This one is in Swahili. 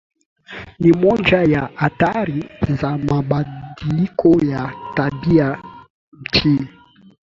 Ni moja ya athari za mabadiliko ya tabia nchi